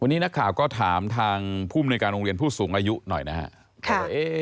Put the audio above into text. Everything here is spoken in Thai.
วันนี้นักข่าวก็ถามทางภูมิในการโรงเรียนผู้สูงอายุหน่อยนะครับ